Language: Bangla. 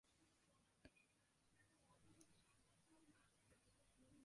ললিতার এইপ্রকার ঔদ্ধত্য দেখিয়া হারানবাবু প্রথমটা হতবুদ্ধি হইয়া গিয়াছিলেন।